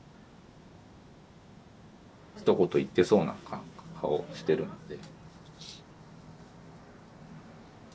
ひと言言ってそうな顔してるんで。